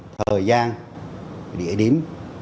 thời gian địa điểm